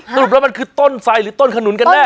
สรุปแล้วมันคือต้นไฟหรือต้นขนุนกันแน่